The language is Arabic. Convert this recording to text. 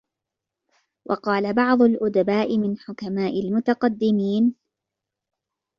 وَقَالَ بَعْضُ الْأُدَبَاءِ مِنْ حُكَمَاءِ الْمُتَقَدِّمِينَ